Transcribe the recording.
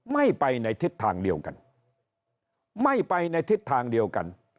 ไม่ไปในทิศทางเดียวกันไม่ไปในทิศทางเดียวกัน